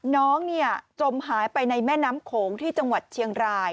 น้องจมหายไปในแม่น้ำโขงที่จังหวัดเชียงราย